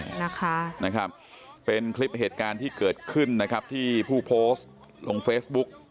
ใช่นะคะเป็นคลิปเหตุการณ์ที่เกิดขึ้นนะครับที่ผู้โพสต์ลงเฟซบุ๊ก